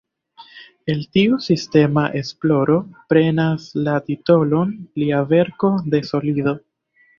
El tiu sistema esploro prenas la titolon lia verko "De solido".